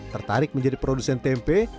tertarik menjadi produsen tempe